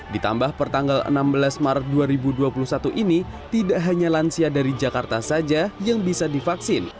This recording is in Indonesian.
ditambah pertanggal enam belas maret dua ribu dua puluh satu ini tidak hanya lansia dari jakarta saja yang bisa divaksin